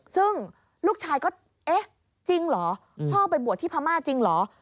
ซึ่งลูกชายก็เอ๊ะจริงเหรอพ่อไปบวชที่พม่าจริงเหรอ